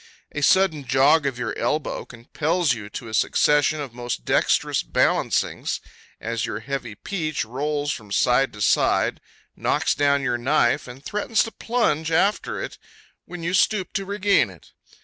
A sudden jog of your elbow compels you to a succession of most dexterous balancings as your heavy peach rolls from side to side, knocks down your knife, and threatens to plunge after it when you stoop to regain it.